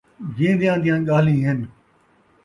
جین٘دیاں دیاں ڳالھیں ہن